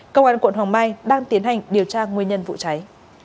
công an quận hoàng mai đang tiến hành điều tra nguyên nhân vụ cháy